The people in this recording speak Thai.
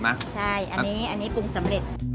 ใช่อันนี้ปรุงสำเร็จ